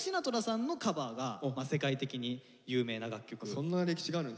そんな歴史があるんですね。